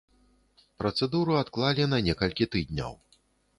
Працэдуру адклалі на некалькі тыдняў.